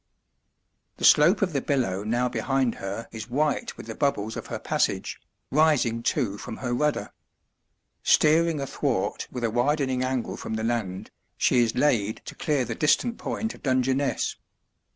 The slope of the billow now behind her is white with the bubbles of her passage, rising, too, from her rudder. Steering athwart with a widening angle from the land, she is laid to clear the distant point of Dungeness.